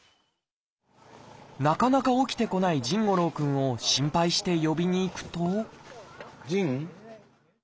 なかなか起きてこない臣伍朗くんを心配して呼びに行くとじん？